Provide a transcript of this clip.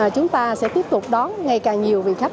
chúng ta sẽ tiếp tục đón ngày càng nhiều vị khách